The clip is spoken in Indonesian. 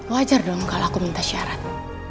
wajar dong kalau aku minta syarat